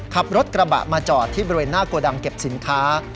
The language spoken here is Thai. ขับรถกระบะมาจอดที่บริเวณหน้าโกดังเก็บสินค้า